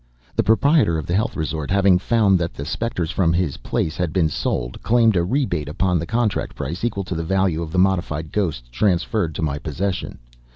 The proprietor of the health resort, having found that the specters from his place had been sold, claimed a rebate upon the contract price equal to the value of the modified ghosts transferred to my possession.